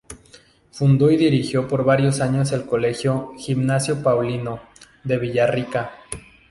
Fundó y dirigió por varios años el colegio "Gimnasio Paulino" de Villarrica.